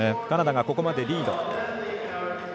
カナダがここまでリード。